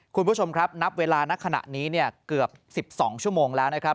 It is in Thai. คุณผู้ชมครับนับเวลาณขณะนี้เนี่ยเกือบ๑๒ชั่วโมงแล้วนะครับ